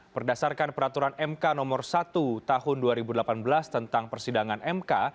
berdasarkan peraturan mk nomor satu tahun dua ribu delapan belas tentang persidangan mk